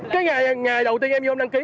cái ngày đầu tiên em vô đăng ký